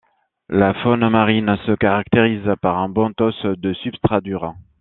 La faune marine se caractérise par un benthos de substrat dur.